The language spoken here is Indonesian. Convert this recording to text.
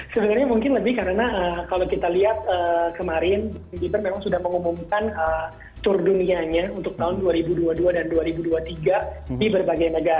sebenarnya mungkin lebih karena kalau kita lihat kemarin bieber memang sudah mengumumkan tour dunianya untuk tahun dua ribu dua puluh dua dan dua ribu dua puluh tiga di berbagai negara